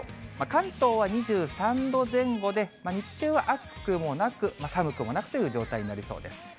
関東は２３度前後で、日中は暑くもなく、寒くもなくという状態になりそうです。